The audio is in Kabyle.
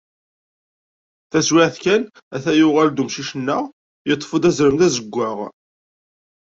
Taswiɛt kan ata yuɣal-d umcic-nneɣ, yeṭṭef-d azrem d azeggaɣ.